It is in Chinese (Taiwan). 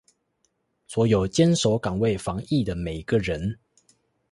所有堅守崗位防疫的每個人